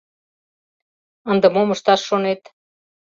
— Ынде мом ышташ шонет?